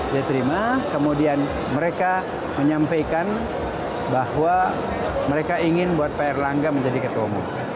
dia terima kemudian mereka menyampaikan bahwa mereka ingin buat pak erlangga menjadi ketua umum